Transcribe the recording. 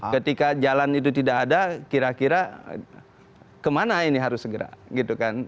ketika jalan itu tidak ada kira kira kemana ini harus segera gitu kan